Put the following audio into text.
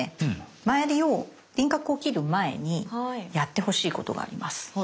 周りを輪郭を切る前にやってほしいことがあります。